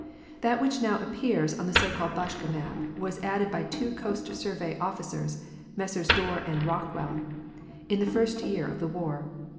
That which now appears on the so called Boschke map was added by two Coast Survey officers, Messrs Dorr and Rockwell, in the first year of the war.